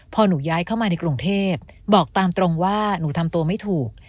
พอหนูย้ายเข้ามาในกรุงเทพบอกตามตรงว่าหนูทำตัวไม่ถูก